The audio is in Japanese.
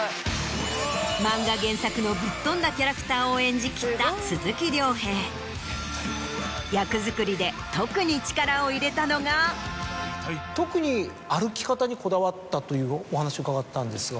漫画原作のぶっ飛んだキャラクターを演じ切った鈴木亮平。というお話を伺ったんですが。